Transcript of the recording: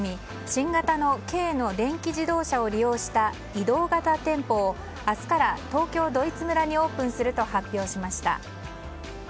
新型の軽の電気自動車を利用した移動型店舗を明日から、東京ドイツ村にオープンすると発表しました。